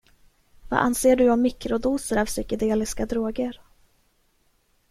Vad anser du om mikrodoser av psykedeliska droger?